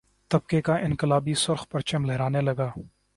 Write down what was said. طبقے کا انقلابی سرخ پرچم لہرانے لگا